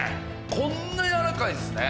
こんなやわらかいんすね。